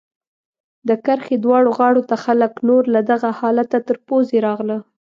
د کرښې دواړو غاړو ته خلک نور له دغه حالته تر پوزې راغله.